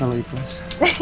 ya boleh kalau iplas